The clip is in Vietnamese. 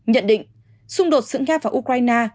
nhận định xung đột sự nga và ukraine